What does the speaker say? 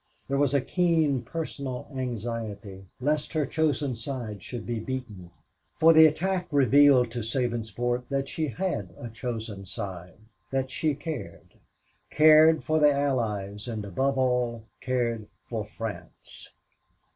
There was a keen personal anxiety lest her chosen side should be beaten, for the attack revealed to Sabinsport that she had a chosen side, that she cared cared for the Allies; and, above all, cared for France.